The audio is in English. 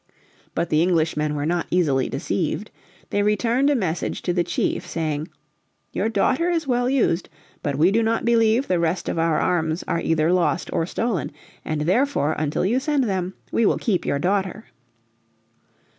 But the Englishmen were not easily deceived. They returned a message to the chief saying, "Your daughter is well used. But we do not believe the rest of our arms are either lost or stolen, and therefore until you send them we will keep your daughter."